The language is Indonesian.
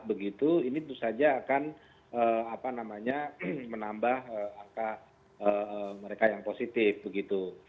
begitu ini tentu saja akan menambah angka mereka yang positif begitu